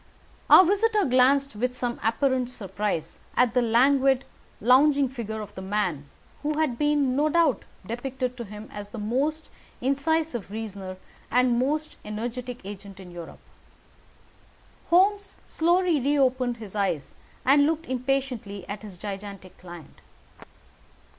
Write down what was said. Our visitor glanced with some apparent surprise at the languid, lounging figure of the man who had been, no doubt, depicted to him as the most incisive reasoner and most energetic agent in Europe. Holmes slowly reopened his eyes and looked impatiently at his gigantic client.